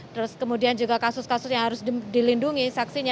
terus kemudian juga kasus kasus yang harus dilindungi saksinya